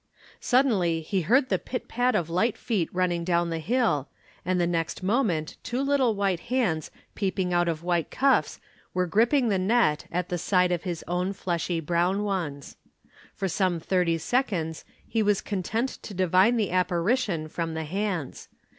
Suddenly he heard the pit pat of light feet running down the hill, and the next moment two little white hands peeping out of white cuffs were gripping the net at the side of his own fleshy brown ones. For some thirty seconds he was content to divine the apparition from the hands.